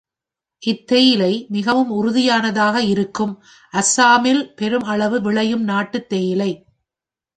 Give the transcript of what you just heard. இத் தேயிலை மிகவும் உறுதியானதாக இருக்கும் அஸ்ஸாமில் பெரும் அளவு விளையும் நாட்டுத் தேயிலை.